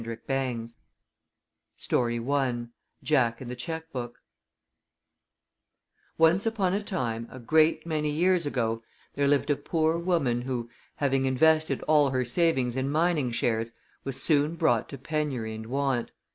THEY DEMANDED 231 JACK AND THE CHECK BOOK I Once upon a time a great many years ago there lived a poor woman who, having invested all her savings in mining shares, was soon brought to penury and want.